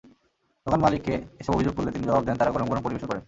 দোকানমালিককে এসব অভিযোগ করলে তিনি জবাব দেন, তাঁরা গরম গরম পরিবেশন করেন।